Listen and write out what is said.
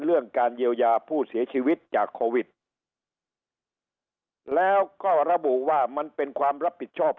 เรื่องการเยียวยาผู้เสียชีวิตจากโควิดแล้วก็ระบุว่ามันเป็นความรับผิดชอบ